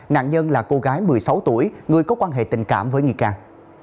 nạn nhân là cô gái một mươi sáu tuổi người có quan hệ tình cảm với nghi can